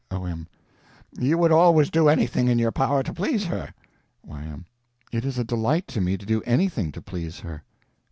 O.M. You would always do anything in your power to please her? Y.M. It is a delight to me to do anything to please her!